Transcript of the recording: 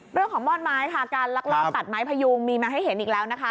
เรื่องของม่อนไม้ค่ะการลักลอบตัดไม้พยุงมีมาให้เห็นอีกแล้วนะคะ